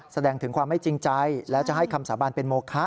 แสดงถึงความไม่จริงใจและจะให้คำสาบานเป็นโมคะ